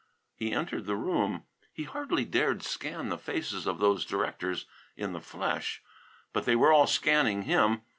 He entered the room. He hardly dared scan the faces of those directors in the flesh, but they were all scanning him.